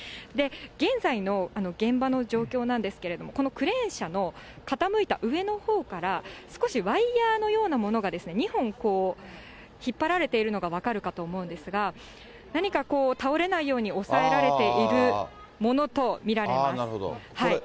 現在の現場の状況なんですけれども、このクレーン車の傾いた上のほうから、少しワイヤーのようなものが２本引っ張られているのが分かるかと思うんですが、何か倒れないように押さえられているものと見られます。